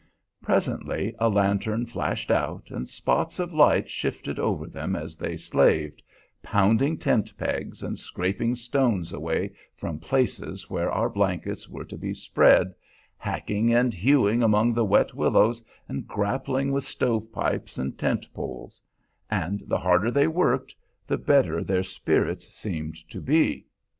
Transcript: Presently a lantern flashed out, and spots of light shifted over them as they slaved pounding tent pegs, and scraping stones away from places where our blankets were to be spread, hacking and hewing among the wet willows, and grappling with stovepipes and tent poles; and the harder they worked the better their spirits seemed to be.